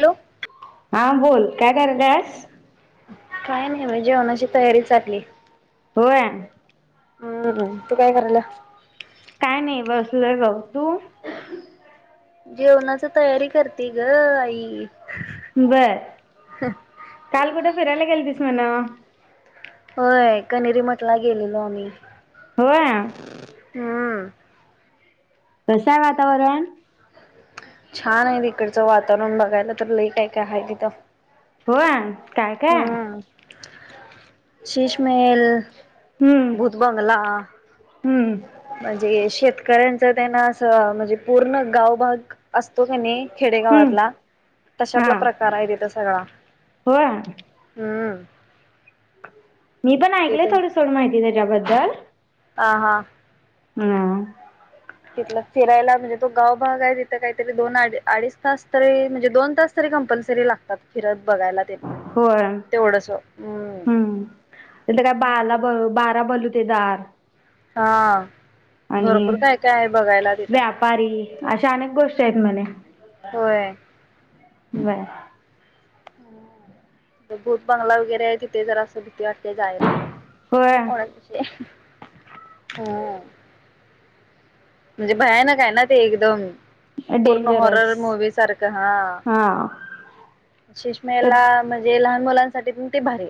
Hello हा बोल. काय करतेस? काय नाही ब जेवणाची तयारी चाललीय. होय? हं. तू काय करायल्या? काही नाही बसलोय बग. तु? जेवणाच तयारी करते ग आई. बर कालगुड फिरायला गेलटीस म्हणं होय कनेरी मठला गेलेलो आम्ही होय हम्म काय सांग आता बरा छान आहे तिकडचं वातावरण बघायला तर लय काय काय हाय तिथ. होय काय काय शिशमेल हम्म भूतबंगला हम्म म्हणजे शेतकऱ्यांचा ते त्यांना असं म्हणजे पूर्ण गावभग असस्तो कनी हम्म खेडेगावातला तशातला प्रकार हाय तिथ सगळा हो हम्म मी प ऐकय तिथे थोडं सोड माहिती त्याच्याबद्दल काय ह हा हम्म तिथला फिरायला म्हणजे तो गाव भाग आहे तिथं काहीतरी दोन अडीच तास तरी म्हणजे दोन तास तरी कंपल्सरी लागतात फिरत बघायला तेन होय हम्म तीथ काय बाळाला बारा बलू ते दार हा. भरपूर काय काय आहे बघायला तिथं. व्यापारी अशा अनेक गोष्टी आहेत म्हणे. होय नाय. भूत बंगला वगैरे आहे तिथे जरासं भीती वाटते जायला. होय हो. म्हणजे भयानक आयेना ते एकदम. पूर्ण हॉरर डेंजरस मूवी सारख हा हा तर शषमेला म्हणजे लहान मुलांसाठी पण ते भारीये.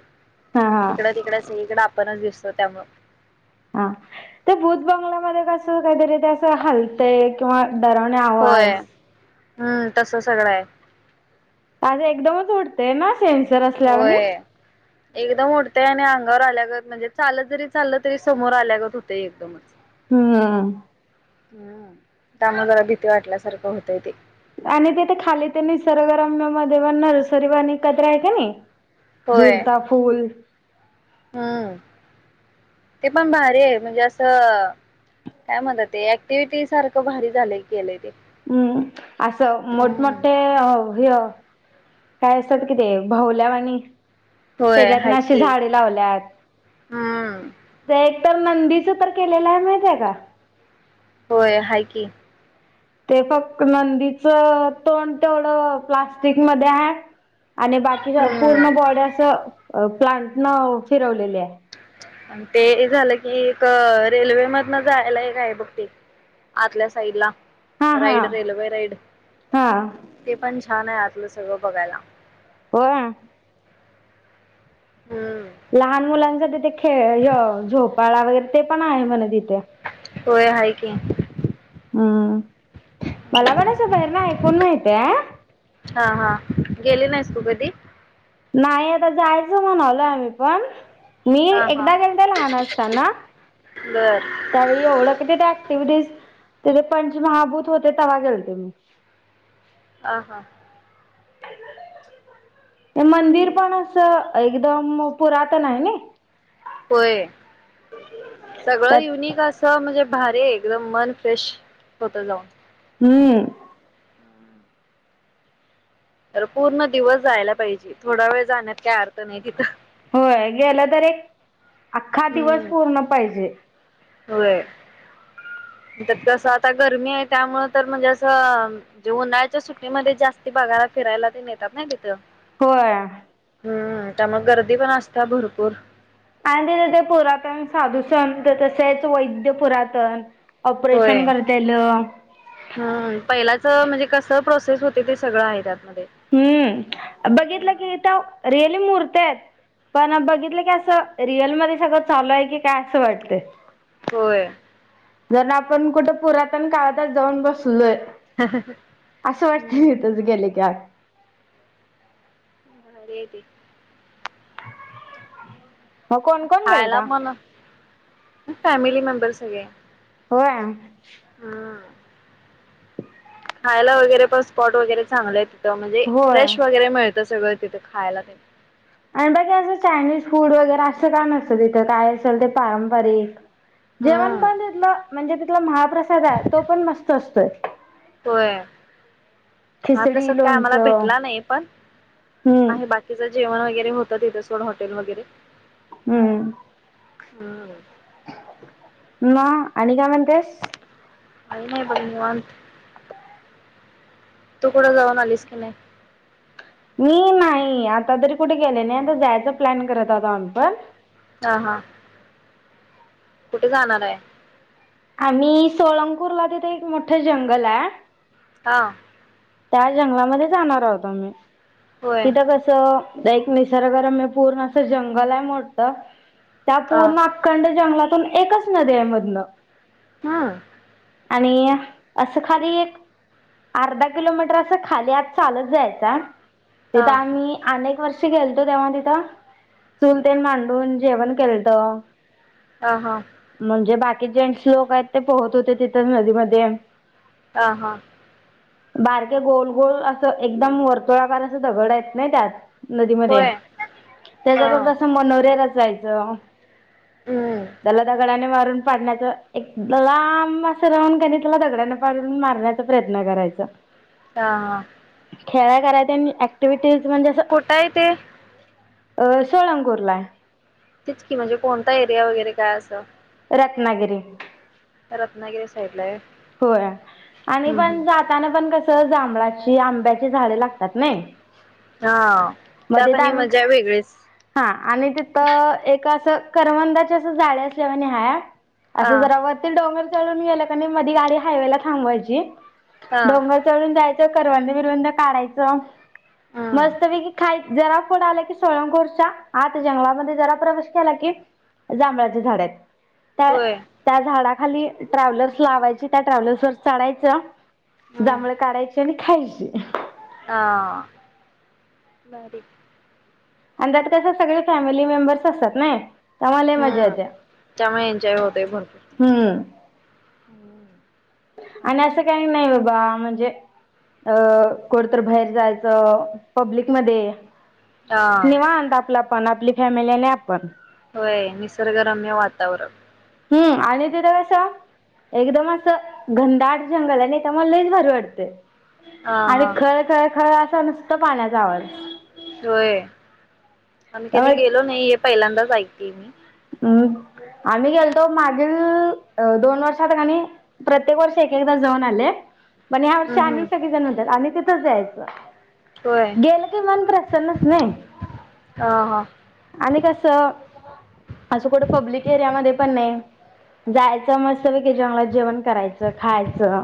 हा हा ईकडं तिकड सगळी कड आपणच दिस हो त्यामुळ. हा ते भुत बंगल्यामध्ये कस काहीतरी ते असं हलतय किंवा डरावने होय आवाज. हम्म तस सगळंय. आज एकदमच उडते ना. सेनसर असल्यावानी. होय. एकदम उडतेय आणि अंगावर आल्यागत म्हणजे चालत जरी चाललं तरी समोर आल्यागत होते एकदमच. हम्म. हम् त्यामुळे जरा भीती वाटल्यासारखं होतंय ते. आणि तेिथे खाली ते निसर्गरम्य मध्ये पण नरसरी वाणि कत्राय की नही. होय झुलता फूल. हम्म ते पण भारीये म्हणजे असं काय म्हणतात, ऍक्टिव्हटी सारखं भारी झालंय, की केलंय ते. हम. अस मोठ हम्म. मोठे हे काय असतात कि ते भावल्यावानी होय त्याच्यातन हाय अशी की झाडे लावल्यात. हम्म ते तर नंदीच तर केलेलं हाय माहितेय का? होय हाय की. ते फक्त नंदीच तोंड तेवढं प्लास्टिक मध्ये आहे. आणि बाकी हम्म. पूर्ण बॉडी असं अ प्लांट न फिरवलेलीया. अन ते झालं की, एक रेल्वे मधन जायला एक आहे बघ ते आतल्या साईड ला. हा हा राईड रेल्वे राईड हा. ते पण छाने आत लं सगळं बघायला. होया. हम्म लहान मुलांचा हे य झोप पाळणा वगैरे ते पण आहे म्हणे तिथे होय हाय कि हम मला पण असं बाहेर ना ऐकून माहितय हा हा गेले नाहीस तू कधी नाही आता जायचं म्हणालोय आम्ही पण मी हा हा एकदा एकदा लहान असताना बर त्यावेळी एवढं कधी त्या ऍक्टिव्हटीज तेथे पंचमहाभूत होते तेव्हा गेलते मी ह हा [inaudible] मंदिर मग पण असं एक एकदम पुरातन आहे ना होय सगळं त्यात युनिक असं म्हणजे भारी एकदम मन फ्रेश होत जाऊन हम्म अर पूर्ण दिवस जायला पाहिजे थोडा वेळ जाण्यात काही अर्थ नाही तिथं होय गेला तर एक अख्खा दिवस पूर्ण पाहिजे हो त्यात सात आठ गरमी आहे त्यामुळ तर म्हणजे असं जे उन्हाळ्याच्या सुट्टीमध्ये जास्ती बागाला फिरायला ते नेतात ना तिथं होय हम्म त्यामुळे गर्दी पण असता भरपूर आणि तथ ते पुरातन साधू संत तसेच वैद्य पुरातन ऑपरेशन होय करतेल कस प्रोसेस होते ते सगळं आहे त्या हम्म बघितलं की रिअल मूरती आहेत पण बघितलं की अस रिअल मध्ये सगळं चालू आहे की काय असं वाटत होय जर आपण कुठं पुरातन काळातच जाऊन बसलोय असं वाटत हम्म मी तुझ गेले का भारी हाय ते हो कोण कोण खायला गेलता पण फॅमिली मेंबरस सगळे होय हम्म खायला वगैरे पण स्पॉट वगैरे चांगलंय म्हणजे होय फ्रेश वगैरे मिळत सगळं तिथं खायला आणि बाकी असं चायनीज फूड वगैरे असं का नसतं तिथं काय असेल ते पारंपरिक जेवण हम्म पण तिथलं म्हणजे तिथला महाप्रसाद आहे तो पण मस्त असतोय होय हल्यास खिचडी काय आम्हाला लोणचं भेटला नाही पण हम्म आणि बाकीचा जेवण वगैरे होतं तिथे सोड हॉटेल वगैरे हम्म हम्म म आणि काय म्हणतेस काई नाही बोल निवांत तू कुठं जाऊन आलीस की नाही मी नाही आता तरी कुठे गेले नाही आता जायच प्लॅन करत आता आ पण हा हां कुठे जाणार आहे आम्ही सोळपूरला तिथे एक मोठं जंगल आहे हा त्या जंगलामध्ये जाणार आहोतो म्ही होय तिथं कस एक निसर्गरम हे पूर्ण अस जंगल आहे मोठत त्या अ पूर्ण अकड जंग पण एकच नदी हाय मधनं हम्म. आणि असं खाली एक अर्धा किलोमीटर अस खाली आज चालत जायच हा तेथ आम्ही अनेक वर्ष क खेलतो तेव्हा तिथं चुल तेन मांडून जेवण केळत ह हा म्हणजे बाकी बाकी जेंस लोक आहेत ते पोहत होते तिथं नदीमध्ये हा हा‌. बारके गोल गोल असं एकदम वर्तुळाकार असं दगड हायत नाही त्यात नदीमध्ये होय ह त्याच्याक असं मनोर्या जायचं, हम्म त्याला दगडने मार पाडण्याच एक लांब असं राहूननी त्याला दगड्याने पाडून मारण्याचा प्रयत्न करायच हा हा, खेळाय कराय आणि ऍक्टिव्हीटी तेच म्हणजे असं कुठं आहे ते अ सोळंगूरला तिचकी म्हणजे कोणता एरिया वगैरे काय असं? रत्नागिरी, रत्नागिरी साईड ला आहे होय आणि हम्म हम्म पण जाताना पण कस सहजांभळाची, आंब्याची झाडे लागतात नाही. हा मध्ये त्यात आणि त्यां मजा वेगळीच हा आणि तिथं एक असं करवंदाच्या असं जाळी असल्यावाणी हाय हा असं जरा वतील डोंगर चढून गेलं कनी मध्ये गाडी हायवेला थांबवायची. हा डोंगर चढून जायचं. करवंद बिरवंद काढायचं हम्म मस्तपैकी खाईत जरा पुढ आलं की सोळंखोरच्या आत जंगलामध्ये जरा प्रवेश केला की जांभळाची झाड आहेत. त्या होय त्या झाडा खाली ट्रॅव्हल्स लावायची त्या ट्रॅव्हलस वर चढायच. हम्म जांभळे काढायची. खायची. हा भारी आणि त्यात कस सगळे फॅमिली मेंबर्स असतात नाही. त्यामुळे लय मजा हम्म येत्या त्यामुळे एन्जॉय हम्म हम्म आणि असं काही नाही बाबा म्हणजे अ कोरतर बाहेर जायचं पब्लिक मध्ये हा निवांत आपला पण आपली फॅमिली आणि आपण होय निसर्गरम्य वातावरण हम्म आणि तेथ कसं एकदम असं घनदाट जंगल आहे. आणि त्या मला लईच भारी वाटतय. हा आणि हा खळ, खळ, खळ अस नुसत पाण्याचा आवाज होय. आम्ही कधी त्यामुळे गेलो नाही हे पहिल्यांदाच [unintelligible] हम् आम्ही गेलतो मागील दोन वर्षात कणी प्रत्येक वर्षी एकेकदा जाऊन आले. पण ह्या वर्षी हम्म आणि हम्म. सगळे जण म्हणत्यात आम्ही तिथं तिथं जायचं. होय. गेलं कि मन प्रसन्नच नाही हा हा. आणि कस असं कुठं पब्लिक एरियामध्ये पण नाही. जायच मस्त पैकी जंगलात जेवण करायचं, खायचं.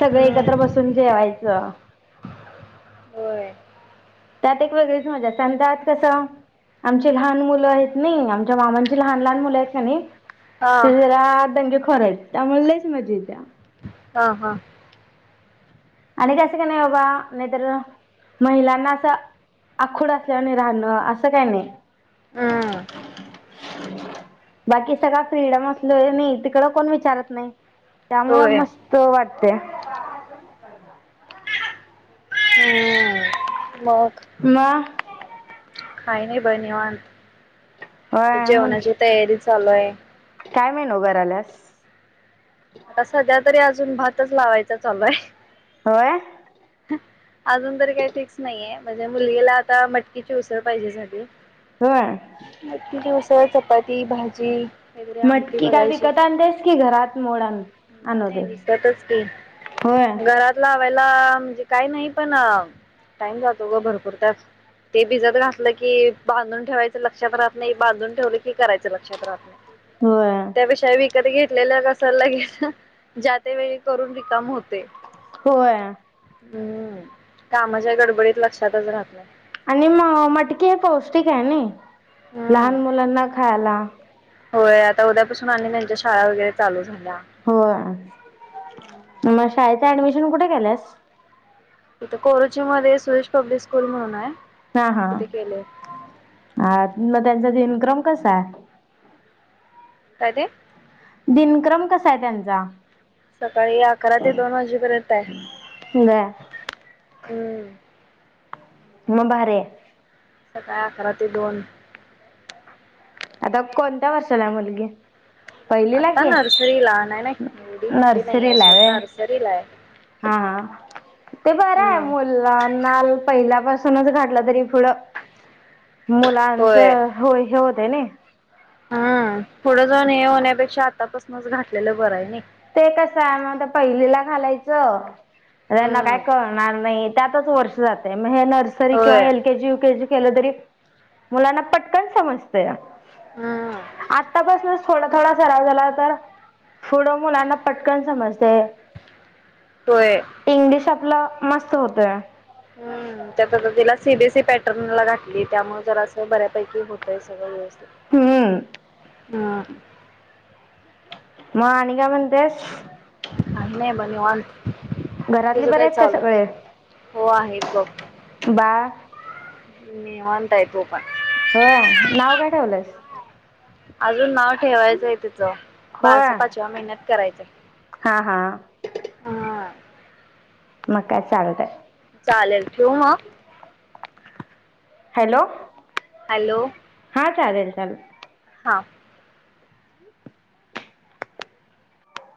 सगळे एकत्र हम्म बसून जेवायचं. होय. त्यात एक वेगळीच मजा अस आणि त्यात कसं आमची लहान मुलं आहेत ना आमच्या मामांची लहान लहान मुलं आहेत ना हा. ती झरा दंग खरंच त्यामुळे लईच मज येत्या हा हा आणि कसं काही नाही बाबा नाही तरर महिलांना असं आखोड असल्यावरने राहणं असं काय नाही हम्म बाकी सगळ फ्रीडम असलोय नाही तिकड कोण विचारत नाही त्यामुळं होय. मस्त वाटते हम्म ब म काय नाही बन्यवान होय मुल जेवणाची तयारी चालूय काय मेनू कराल्यास सा ज्या तरी अजून भातच लावायचा चालूय होय अजून तरी काही फिक्स नाहीये म्हणजे मुलगीला आता मटकीची उसळ पाहिजे झालि होय मटकीची उसळ चपाती ती भाजी वगैरे आमटी मटकी काय बघायची. विकत आणतेस की घरात मोड आण आणव नाही तीस विकतच की होय घरात लावायला म्हणजे काय नाही पण टाइम जातो ग भरपूर त्या ते भिजत घातलं की बांधून ठेवायचं लक्षात राहत नाही बांधून ठेवलं की करायचं लक्षात राहत नाही हो त घेतलेलं कसाला घेलं ज्याात वेळी करून रिकाम होत होय हो कामाच्या गडबडीत लक्षातच राहात नाई आणि म मटकीे हे पौष्टिक आहे ना हम्म लहान मुलांना खायला होय आता उद्यापासून आणि त्यांच्या शाळा वगैरे चालू झा हो म शा ऍडमिशन कुठे केलंस तथ कोरुची मध्ये सुरेश पब्लिक स्कूल म्हणून आहे हा हा तिथे केले मग त्यांचा दिनक्रम कसा आहे काय ते दिनक्रम कसा आहे त्यांचा सकाळी अकरा ते दोन वाजेपर्यंत हाय बर हम्म म भारी हाय सकाळी अकरा ते दोन आता कोणत्या वर्षाला मुलगी पहिलीला आता की नर्सरीला नय नय एवढ मोठी नाहीय नर्सरीला आहे सोड व्हय नर्सरीला हाय. हा ते बर आहे मुलांना प पासुनच घातलं तरी पुढ मुलांच होय हो तेनी हम्म थोडं जाण हे होण्यापेक्षा आतापासूनच घातलेलं बरं आहे न ते कसं आहे मग आता पहिलीला घालायचं अ त्यांना हम्म काय कळणार नय त्यातच वर्ष जातय नर्सरी होय किंवा L K G U K G केलं तरी मुलांना पटकन समजत हम्म आतापासनच थोडा थोडा सराव झाला तर पुढ. मुलांना पटकन समजतय. होय. आपल मस्त होतोय. हम्म. त्यात आता तिला सि बी सी पॅटर्नला घाातली त्यामुळे जरा असं बऱ्यापैकी होतंय सगळं व्यवस्थ. हम्म. हम म आणि काय म्हणतेस. काही नाही ब निवांत. घरातली तुझं बर काय आहेत का चाललंय? सगळे? हो आहेत बघ बाळ. निवांत आहे तो पण. होय नाव काय ठेवलंस? अजून नाव ठेवायचं तिचं. बारसा पाचव्या महिन्यात करायचाय. हां हां. ह. मग काय चालतय. चालेल ठेऊ मग. हॅलो. हॅलो. हा चालेल चालेल. हां.